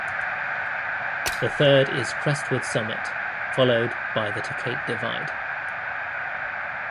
The third is Crestwood Summit followed by the Tecate Divide.